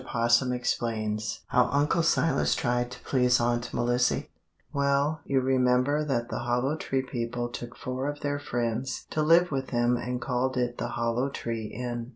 'POSSUM EXPLAINS HOW UNCLE SILAS TRIED TO PLEASE AUNT MELISSY Well, you remember that the Hollow Tree people took four of their friends to live with them and called it the Hollow Tree Inn.